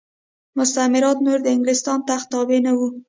مستعمرات نور د انګلستان تخت تابع نه وو.